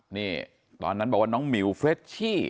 นี่ตอนนั้นบอกว่าน้องหมิวเฟรชชี่